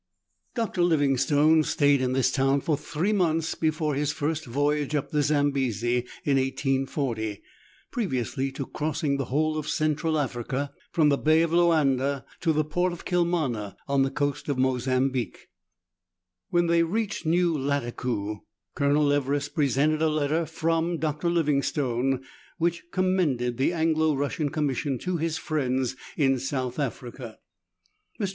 Dr. Living stone stayed in this town for three months before his first voyage up the Zambesi in 1840, previously to crossing the whole of Central Africa, from the bay of Loanda to the port of Kilmana on the coast of Mozambique, When they reached New Lattakoo, Colonel Everest presented a letter from Dr. Livingstone, which commended the Anglo Russian Commission to his friends in South Africa. Mr.